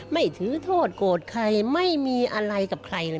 ไม่ถือโทษโกรธใครไม่มีอะไรกับใครเลย